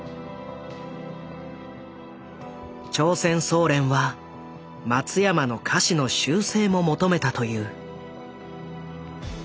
朝鮮総連は松山の歌詞の修正も求めたという。